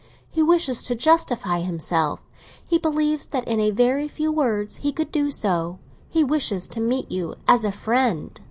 He wishes to justify himself; he believes that in a very few words he could do so. He wishes to meet you as a friend."